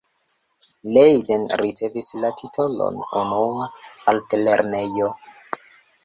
Leiden ricevis la titolon 'unua' altlernejo.